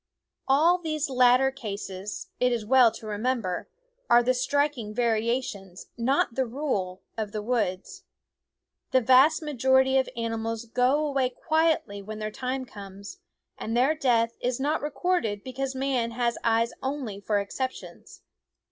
All these latter cases, it is well to remem ber, are the striking variations, not the rule of the woods. The vast majority of animals go away quietly when their time comes; and their death is not recorded because man has eyes only for exceptions.